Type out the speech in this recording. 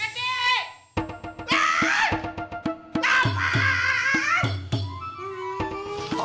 eti tunggu eti